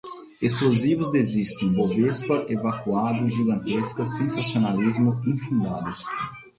explosivos, desistissem, bovespa, evacuado, gigantesca, sensacionalismo, infundados